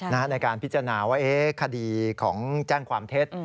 ในการพิจารณาว่าคดีของแจ้งความเท็จ